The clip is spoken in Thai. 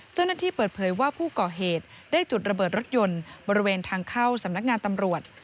เจ้าหน้าที่เปิดเผยว่าผู้ก่อเหตุได้จุดระเบิดรถยนต์บริเวณทางเข้าสำนักงานตำรวจ